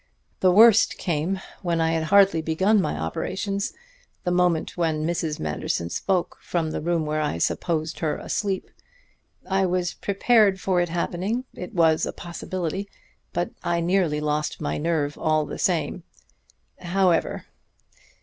"The worst came when I had hardly begun my operations; the moment when Mrs. Manderson spoke from the room where I supposed her asleep. I was prepared for it happening; it was a possibility; but I nearly lost my nerve all the same. However....